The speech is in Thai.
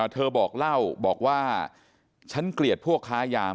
เธอบอกเล่าบอกว่าฉันเกลียดพวกค้ายา